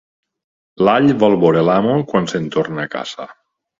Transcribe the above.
L'all vol veure l'amo quan se'n torna a casa.